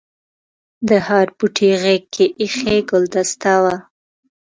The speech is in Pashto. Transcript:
د هر بوټي غېږ کې ایښي ګلدسته وه.